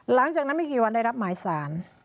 หลังจากนั้นไม่กี่วันได้รับหมายสาร